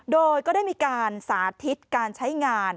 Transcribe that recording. โดยก็ได้มีการสาธิตการใช้งาน